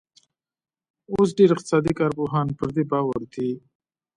اوس ډېر اقتصادي کارپوهان پر دې باور دي